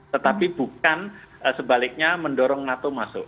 tetapi bukan sebaliknya mendorong nato masuk